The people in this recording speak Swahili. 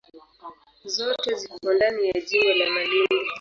Zote ziko ndani ya jimbo la Malindi.